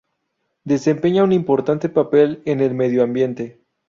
Desempeña un importante papel en el medioambiente.